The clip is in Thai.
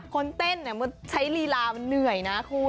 คนเต้นใช้ลีลาเนื่อยนะครุ่ง